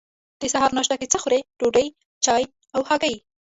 د سهار ناشته کی څه خورئ؟ ډوډۍ، چای او هګۍ